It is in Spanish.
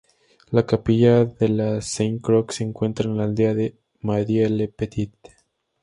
La capilla de la Sainte Croix se encuentra en la aldea de Madieu-le-Petit.